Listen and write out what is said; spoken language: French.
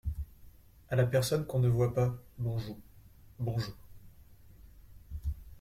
A la personne qu’on ne voit pas Bonjou… bonjou.